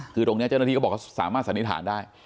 คือตรงนี้เจ้าหน้าที่ก็บอกเขาสามารถสันนิษฐานได้